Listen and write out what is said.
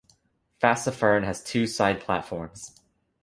Fassifern has two side platforms.